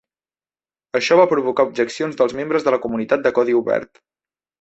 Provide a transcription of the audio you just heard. Això va provocar objeccions dels membres de la comunitat de codi obert.